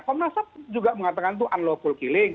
komnasam juga mengatakan itu unlawful killing